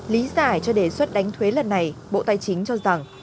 lý giải cho đề xuất đánh thuế lần này bộ tài chính cho rằng